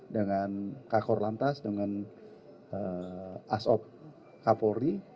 dengan kak kor lantas dengan asop kapolri